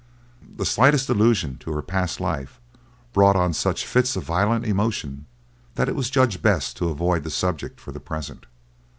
The slightest allusion to her past life brought on such fits of violent emotion, that it was judged best to avoid the subject for the present.